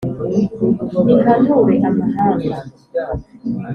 nihanure amahanga